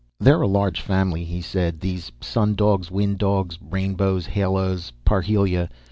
"They're a large family," he said, "these sun dogs, wind dogs, rainbows, halos, and parhelia.